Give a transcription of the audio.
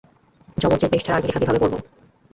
ايک يہ وصف خداداد مرے نام ميں ہے